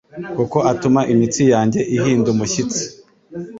Kuko atuma imitsi yanjye ihinda umushyitsi